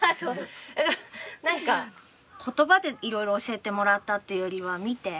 何か言葉でいろいろ教えてもらったっていうよりは見て。